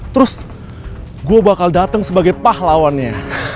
terus gue bakal datang sebagai pahlawannya